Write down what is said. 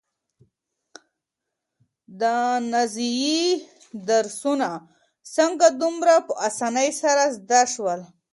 د نازيې درسونه څنګه دومره په اسانۍ سره زده شول؟